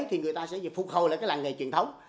thì người ta sẽ phục hồi lại cái làng nghề truyền thống